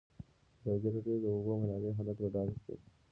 ازادي راډیو د د اوبو منابع حالت په ډاګه کړی.